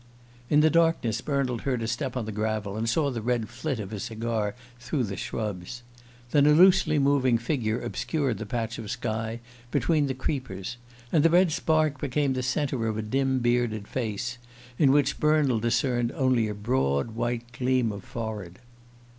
In the darkness Bernald heard a step on the gravel, and saw the red flit of a cigar through the shrubs. Then a loosely moving figure obscured the patch of sky between the creepers, and the red spark became the centre of a dim bearded face, in which Bernald discerned only a broad white gleam of forehead.